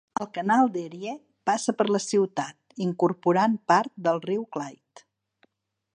El canal d'Erie passa per la ciutat, incorporant part del riu Clyde.